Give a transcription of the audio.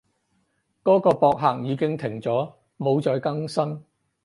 嗰個博客已經停咗，冇再更新